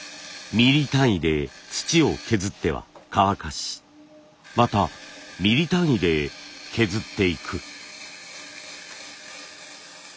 ミリ単位で土を削っては乾かしまたミリ単位で削っていく。